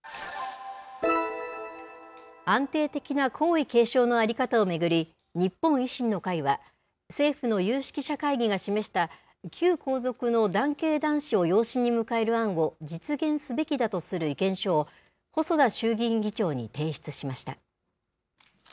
安定的な皇位継承の在り方を巡り、日本維新の会は、政府の有識者会議が示した、旧皇族の男系男子を養子に迎える案を実現すべきだとする意見書を、細田衆議院議長に提出しました。